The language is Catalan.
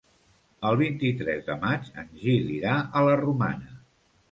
El vint-i-tres de maig en Gil irà a la Romana.